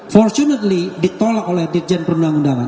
fortunately ditolak oleh dirjen perundang undangan